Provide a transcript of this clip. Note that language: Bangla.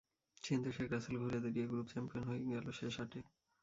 কিন্তু শেখ রাসেল ঘুরে দাঁড়িয়ে গ্রুপ চ্যাম্পিয়ন হয়েই গেল শেষ আটে।